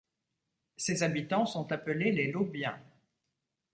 Ses habitants sont appelés les Laubiens.